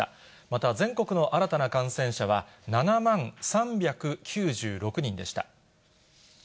また、全国の新たな感染者は７万３９６人でした。